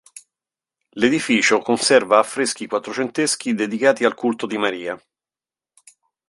L'edificio conserva affreschi quattrocenteschi dedicati al culto di Maria.